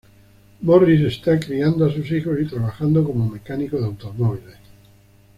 Morris reside en la criando a sus hijos y trabajando como mecánico de automóviles.